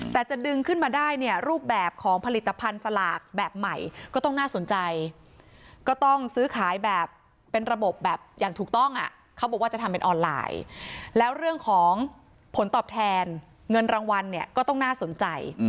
แต่จะดึงขึ้นมาได้เนี่ยรูปแบบของผลิตภัณฑ์สลากแบบใหม่ก็ต้องน่าสนใจก็ต้องซื้อขายแบบเป็นระบบแบบอย่างถูกต้องอ่ะเขาบอกว่าจะทำเป็นออนไลน์แล้วเรื่องของผลตอบแทนเงินรางวัลเนี่ยก็ต้องน่าสนใจ